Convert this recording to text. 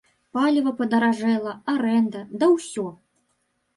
Паліва падаражэла, арэнда, да ўсё!